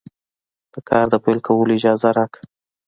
د کار د پیل کولو اجازه راکړه.